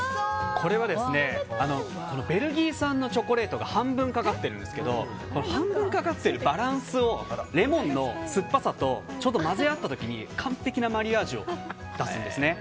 これは、ベルギー産のチョコレートが半分かかっているんですが半分かかってるバランスをレモンの酸っぱさとちょうど混ぜあった時に完璧なマリアージュを出すんですね。